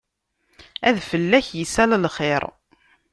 Ad fell-ak isal xiṛ.